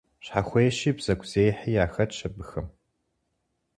Щхьэхуещи бзэгузехьи яхэтщ абыхэм.